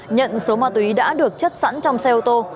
nhận số mặt tùy đã được chất sẵn trong xe ô tô